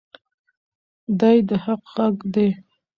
دی د حق غږ دی.